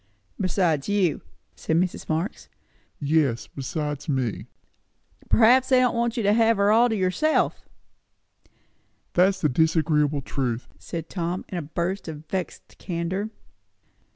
"Besides you," said Mrs. Marx. "Yes, besides me." "Perhaps they don't want to let you have her all to yourself." "That's the disagreeable truth!" said Tom in a burst of vexed candour.